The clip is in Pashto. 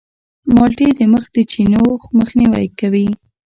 مالټې د مخ د چینو مخنیوی کوي.